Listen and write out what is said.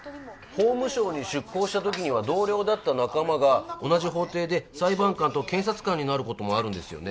法務省に出向した時には同僚だった仲間が同じ法廷で裁判官と検察官になることもあるんですよね